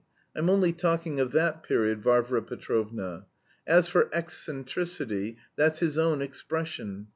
I'm only talking of that period, Varvara Petrovna; as for 'eccentricity,' that's his own expression.